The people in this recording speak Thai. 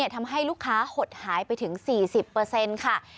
ทำให้ลูกค้าหดหายไปถึง๔๐ค่ะ